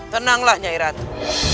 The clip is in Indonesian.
tenanglah nyai ratu